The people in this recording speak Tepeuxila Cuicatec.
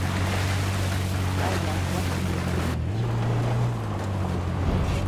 Dikaya gua jinetïñ chi kuëñ.